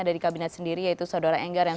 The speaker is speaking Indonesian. ada di kabinet sendiri yaitu saudara enggar yang